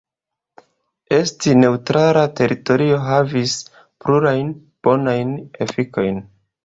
Esti "neŭtrala" teritorio havis plurajn bonajn efikojn.